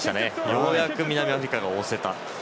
ようやく南アフリカが押せた。